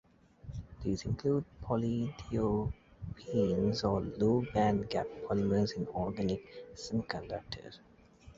These include polythiophenes or low band gap polymers in organic semiconductors.